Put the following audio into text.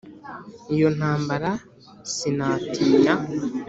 iyo ntambara sinatinya